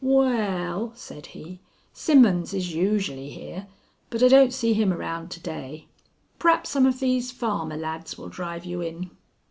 "Waal," said he, "Simmons is usually here, but I don't see him around to day. Perhaps some of these farmer lads will drive you in."